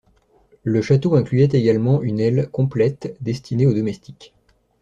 Le château incluait également une aile complète destinée aux domestiques.